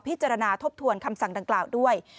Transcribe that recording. พิจารณาทบทวนคำสั่งดังกล่าวด้วย